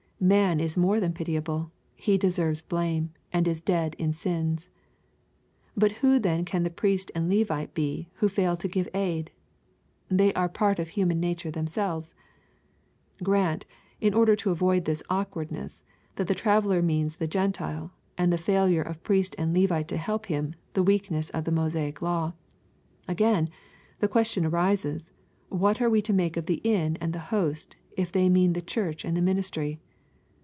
Man is more than pitiable ; he deserves blame, and is dead in sins. But who then can the Priest and Levite be who fail to give aid ? They are part of human nature themselves I Grant, in order to avoid this awkwardness, that the traveller means the Q entile, and the failure of Priest and Levite to help him. tlie weakness of the Mosaic law. Again, the question arises, what are we to make of the inn and the host, if they mean the Church and the ministry?